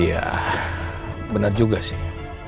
iya benar juga sih